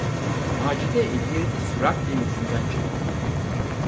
Macide ellerini süratle yüzünden çekti.